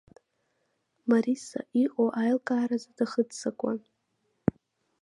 Мариса иҟоу аилкааразы дахыццакуан.